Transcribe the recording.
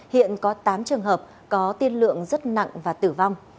hiện có tám trường hợp có tiên lượng rất nặng và tử vong